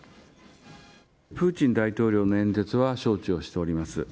プーチン大統領の演説は承知をしております。